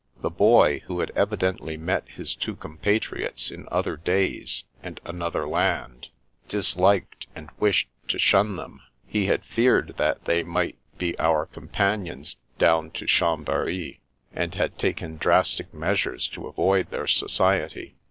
The Boy, who had evidently met his two compatriots in other days and another land, disliked and wished to shun them. He had feared that they might be our companions down to Chambery, and had taken drastic measures to avoid their society.